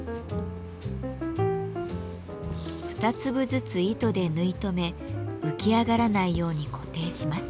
２粒ずつ糸で縫い留め浮き上がらないように固定します。